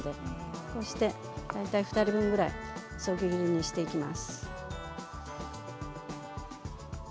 これで大体２人分ぐらいそぎ切りにしていきます。